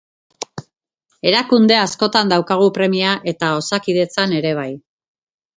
Erakunde askotan daukagu premia eta Osakidetzan ere bai.